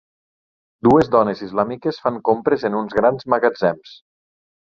Dues dones islàmiques fan compres en uns grans magatzems.